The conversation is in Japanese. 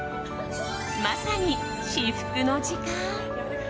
まさに至福の時間。